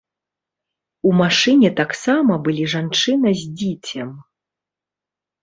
У машыне таксама былі жанчына з дзіцем.